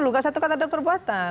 nggak satu kata dan perbuatan